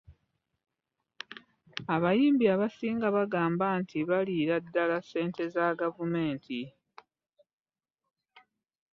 abayimbi abasinga baagambibwa nti baliira ddala ssente za gavumenti.